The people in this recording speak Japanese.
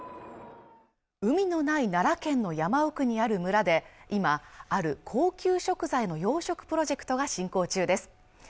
海のない奈良県の山奥にある村で今ある高級食材の養殖プロジェクトが進行中です